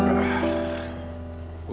walau pasti kelihatan